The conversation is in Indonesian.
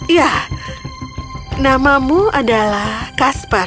ya namamu adalah kaspar